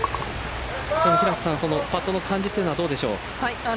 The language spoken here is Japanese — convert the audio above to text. パットの感じというのはどうでしょう？